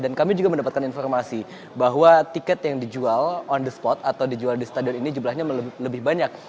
dan kami juga mendapatkan informasi bahwa tiket yang dijual on the spot atau dijual di stadion ini jumlahnya lebih banyak